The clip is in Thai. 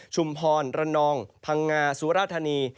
ชุมพรระนองพังงาสุราธานี